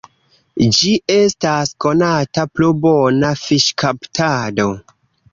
Ĝi estas konata pro bona fiŝkaptado.